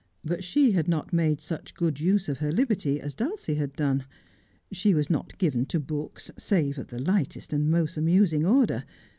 But she had not made such good use of her liberty as Dulcie had done. She was not given to books, save of the lightest and most amusing order.